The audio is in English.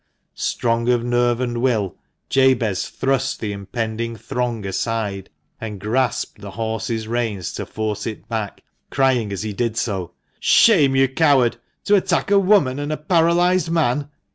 Strong of nerve and will, Jabez thrust the impending throng aside, and grasped the horse's reins to force it back, crying as he did so —" Shame, you coward ! to attack a woman and a paralysed man!"